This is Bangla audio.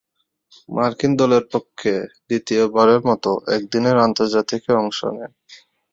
মার্কিন দলের পক্ষে দ্বিতীয়বারের মতো একদিনের আন্তর্জাতিকে অংশ নেন।